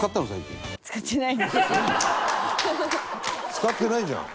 使ってないじゃん。